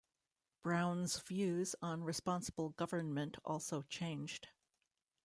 Brown's views on responsible government also changed.